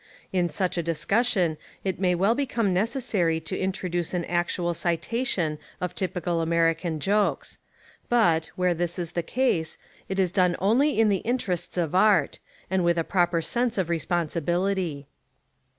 In such a discussion it may well become necessary to introduce an actual citation of typical American jokes: but, where this is the case, it is done only in the interests of art, and with a proper sense of responsibility.